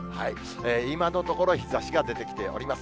今のところ、日ざしが出てきております。